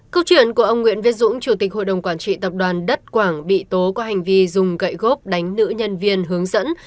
câu chuyện của ông nguyễn viết dũng chủ tịch hội đồng quản trị tập đoàn đất quảng bị tố có hành vi dùng gậy gốc đánh nữ nhân viên hướng dẫn